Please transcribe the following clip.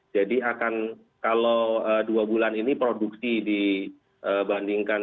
jadi akan kalau dua bulan ini produksi dibandingkan